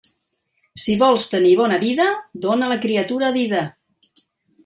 Si vols tenir bona vida, dóna la criatura a dida.